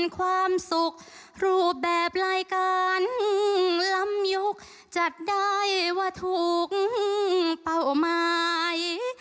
ความสุขรูปแบบรายการล้ำยุคจัดได้ว่าทุกเป้าหมาย